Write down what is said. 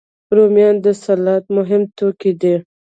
رومیان د سلاد مهم توکي دي